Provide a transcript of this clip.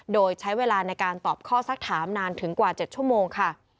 โดยใช้เวลาในการตอบข้อสักถามนานถึงกว่า๗ชั่วโมงค่ะ